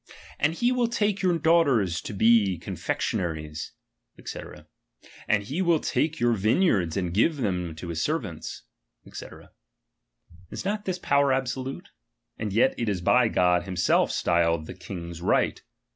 And he will take your daughters to be confectionaries, ^c. And he wilt take your vineyards, and give them to his servants, ^c. Is not this power absolute ? And yet it is by God himself styled the king's right.